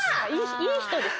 いい人です。